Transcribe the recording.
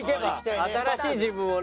新しい自分をね。